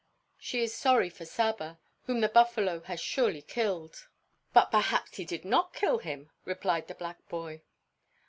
"She is sorry for Saba, whom the buffalo has surely killed." "But perhaps he did not kill him," replied the black boy.